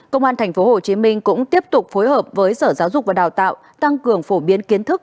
công an tp hcm cũng tiếp tục phối hợp với sở giáo dục và đào tạo tăng cường phổ biến kiến thức